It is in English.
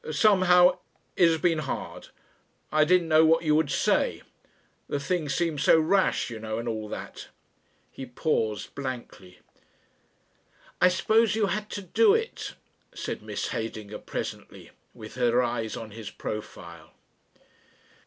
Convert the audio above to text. Somehow it has been hard. I didn't know what you would say. The thing seemed so rash, you know, and all that." He paused blankly. "I suppose you had to do it," said Miss Heydinger presently, with her eyes on his profile.